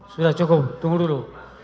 sudah cukup tunggu dulu